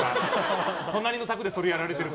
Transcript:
隣の卓でそれやられてると。